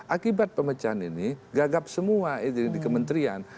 akibat pemecahan ini gagap semua itu di kementerian